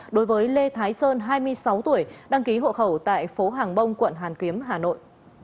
đối với lê thái sơn hai mươi sáu tuổi đăng ký hộ khẩu tại phố hàng bông quận hoàn kiếm hà nội